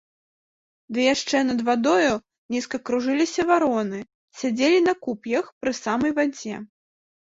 Ды яшчэ над вадою нізка кружыліся вароны, сядзелі на куп'ях пры самай вадзе.